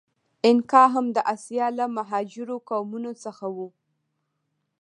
اینکا هم د آسیا له مهاجرو قومونو څخه و.